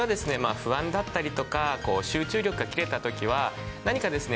不安だったりとか集中力が切れた時は何かですね